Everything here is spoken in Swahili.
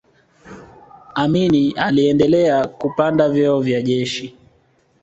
amin aliendelea kupanda vyeo vya jeshi